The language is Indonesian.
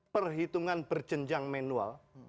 perhitungan percenjang manual